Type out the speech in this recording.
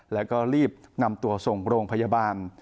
แล้วก็รีบนำตัวส่งโรงพยาบาล